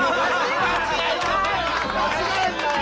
間違えんなよ！